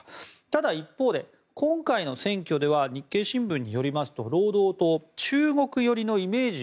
ただ、一方で今回の選挙では日経新聞によりますと労働党、中国寄りのイメージ